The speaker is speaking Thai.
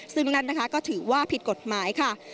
ซึ่งนั้นก็ถือว่าผิดกฎหมาย